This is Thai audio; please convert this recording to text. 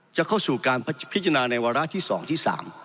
จะเข้าสู่การพิจารณาในวาระที่๒ที่๓